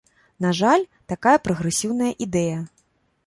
На жаль, такая прагрэсіўная ідэя.